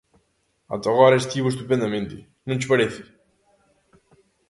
Ata agora estivo estupendamente, non che parece?